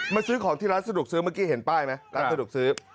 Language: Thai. ซื้อของที่ร้านสะดวกซื้อเมื่อกี้เห็นป้ายไหมร้านสะดวกซื้อ